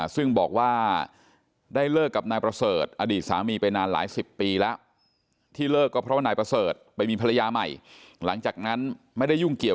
ซึ่งบอกว่าได้เลิกกับนายประเสริฐอดีตสามีไปนานหลายสิบปีแล้ว